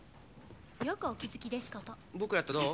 よくお気づきですこと僕らとどう？